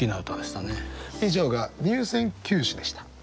以上が入選九首でした。